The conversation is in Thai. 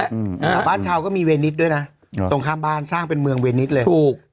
แต่บ้านชาวก็มีเวนิสด้วยนะตรงข้ามบ้านสร้างเป็นเมืองเวนิสเลยถูก